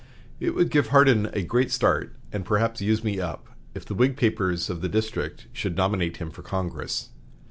It would give Hardin a great start, and perhaps use me up, if the Whig papers of the district should nominate him for Congress.